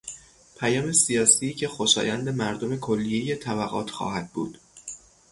پیام سیاسی که خوشایند مردم کلیهی طبقات خواهد بود